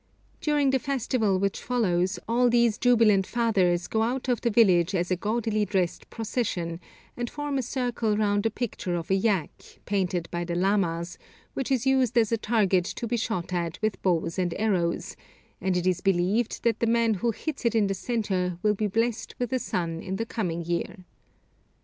During the festival which follows, all these jubilant fathers go out of the village as a gaudily dressed procession, and form a circle round a picture of a yak, painted by the lamas, which is used as a target to be shot at with bows and arrows, and it is believed that the man who hits it in the centre will be blessed with a son in the coming year.